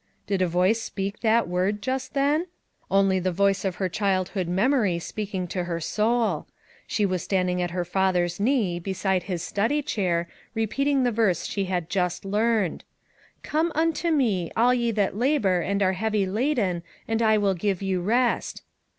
Did a voice speak that word just then? Only the voice of her childhood memory speaking to her souL She was standing at her father's knee beside his study chair repeating the verse she had just learned: "Come nnto me all ye that labor and are heavy laden and I will give you rest."